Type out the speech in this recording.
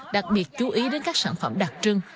đặc biệt chú ý đến các sản phẩm đặc trưng